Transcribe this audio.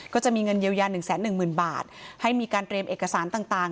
ก็จะมีเงินเยียวยา๑๑๐๐๐บาทให้มีการเตรียมเอกสารต่าง